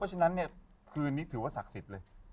ด้วยฉะนั้นนี้คืนนี้ถือว่าศักดิ์ศสิตรเลย